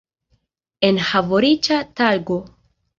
Enhavoriĉa tago!